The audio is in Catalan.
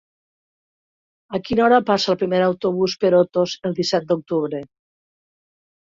A quina hora passa el primer autobús per Otos el disset d'octubre?